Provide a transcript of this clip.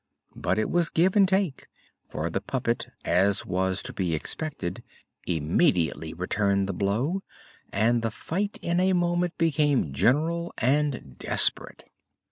But it was give and take; for the puppet, as was to be expected, immediately returned the blow, and the fight in a moment became general and desperate.